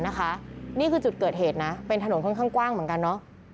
นี่คือจุดเกิดเหตุนะเป็นถนนค่อนข้างกว้างเหมือนกันเนอะ